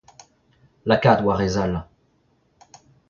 lakaat war he zal